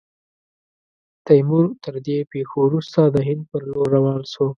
تیمور، تر دې پیښو وروسته، د هند پر لور روان سو.